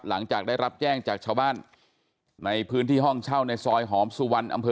หลังจากได้รับแจ้งจากชาวบ้านในพื้นที่ห้องเช่าในซอยหอมสุวรรณอำเภอ